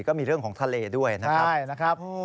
ก็มีเรื่องของทะเลด้วยนะครับ